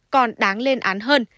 còn đáng lên án hơn